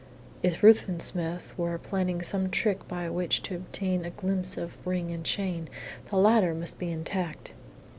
If Ruthven Smith were planning some trick by which to obtain a glimpse of ring and chain, the latter must be intact.